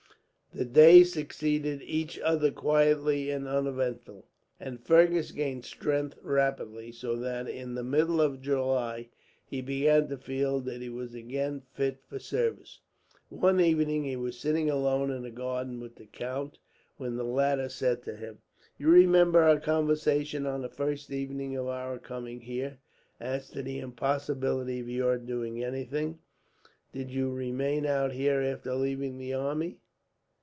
The days succeeded each other quietly and uneventfully, and Fergus gained strength rapidly; so that, in the middle of July, he began to feel that he was again fit for service. One evening he was sitting alone in the garden with the count, when the latter said to him: "You remember our conversation on the first evening of our coming here, as to the impossibility of your doing anything, did you remain out here after leaving the army.